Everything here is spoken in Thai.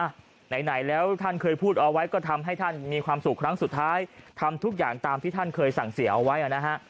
ไหนแล้วท่านเคยพูดเอาไว้ก็ทำให้ท่านมีความสุขครั้งสุดท้ายทำทุกอย่างตามที่ท่านเคยสั่งเสียเอาไว้อ่ะนะฮะ